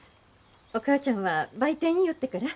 お母ちゃんは売店寄ってから。